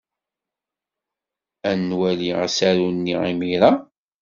Ad nwali asaru-nni imir-a?